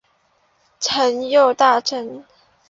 官右大臣。